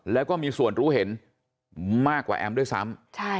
แล้วก็มีส่วนรู้เห็นมากกว่าแอมด้วยซ้ำ